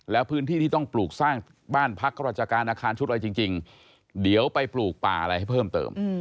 แล้วพื้นที่ที่ต้องปลูกสร้างบ้านพักราชการอาคารชุดอะไรจริงเดี๋ยวไปปลูกป่าอะไรให้เพิ่มเติม